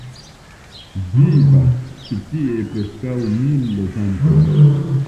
Vivas ĉi tie preskaŭ mil loĝantoj.